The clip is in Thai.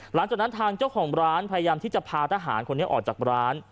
หลังจากนั้นทางเจ้าของร้านพยายามที่จะพาทหารคนนี้ออกจากร้าน